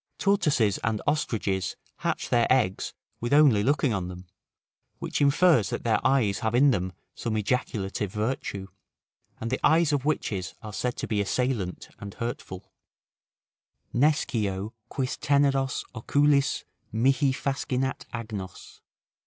Tortoises and ostriches hatch their eggs with only looking on them, which infers that their eyes have in them some ejaculative virtue. And the eyes of witches are said to be assailant and hurtful: "Nescio quis teneros oculus mihi fascinat agnos."